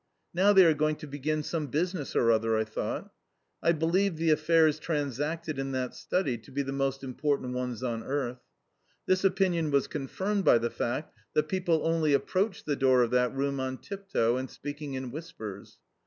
"Now they are going to begin some business or other," I thought. I believed the affairs transacted in that study to be the most important ones on earth. This opinion was confirmed by the fact that people only approached the door of that room on tiptoe and speaking in whispers.